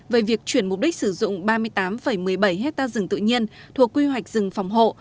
về việc chuyển mục đích sử dụng ba mươi tám một mươi bảy hectare rừng tự nhiên thuộc quy hoạch rừng phòng hộ